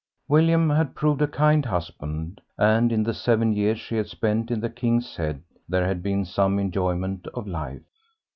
William had proved a kind husband, and in the seven years she had spent in the "King's Head" there had been some enjoyment of life.